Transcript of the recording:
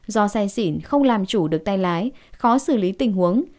do say xỉn không làm chủ được tay lái khó xử lý tình huống